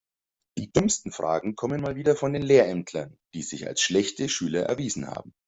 Die dümmsten Fragen kommen mal wieder von den Lehrämtlern, die sich als schlechte Schüler erwiesen haben.